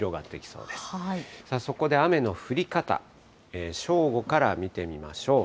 そこで雨の降り方、正午から見てみましょう。